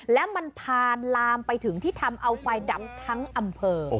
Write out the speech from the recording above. และมันพาลามไปถึงที่ทำเอาไฟดับทั้งอำเภอ